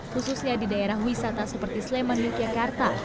khususnya di daerah wisata seperti sleman yogyakarta